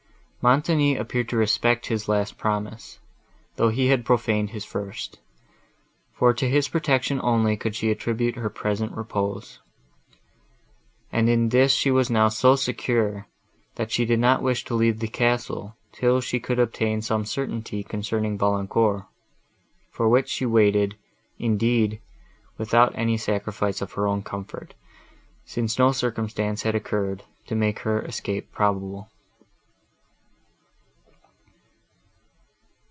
Montoni appeared to respect his last promise, though he had prophaned his first; for to his protection only could she attribute her present repose; and in this she was now so secure, that she did not wish to leave the castle, till she could obtain some certainty concerning Valancourt; for which she waited, indeed, without any sacrifice of her own comfort, since no circumstance had occurred to make her escape probable.